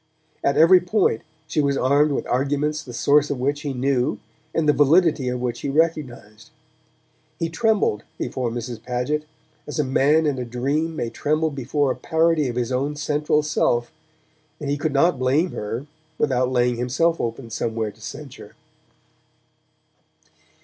At every point she was armed with arguments the source of which he knew and the validity of which he recognized. He trembled before Mrs. Paget as a man in a dream may tremble before a parody of his own central self, and he could not blame her without laying himself open somewhere to censure.